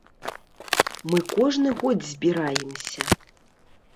Мы кожны год збіраемся.